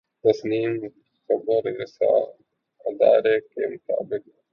تسنیم خبررساں ادارے کے مطابق